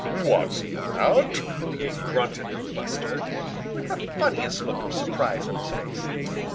"What's that?" grunted Buster, with the funniest look of surprise on his face.